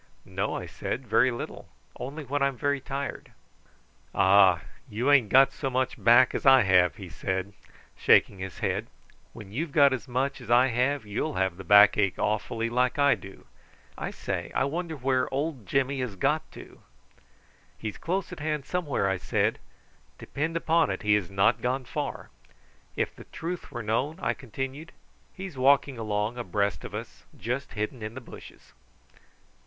"No," I said; "very little. Only when I'm very tired." "Ah! you ain't got so much back as I have," he said, shaking his head. "When you've got as much as I have you'll have the back ache awfully, like I do. I say, I wonder where old Jimmy has got to." "He's close at hand somewhere," I said. "Depend upon it he has not gone far. If the truth were known," I continued, "he's walking along abreast of us, just hidden in the bushes."